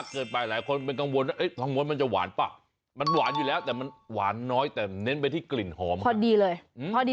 เท่าแหล่งอลามันไม่ได้หวานมากเกิดไป